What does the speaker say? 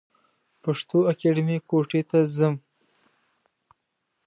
پښتو اکېډمۍ کوټي ته ځم.